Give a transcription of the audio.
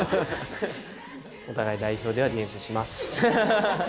お互い代表ではディフェンスします。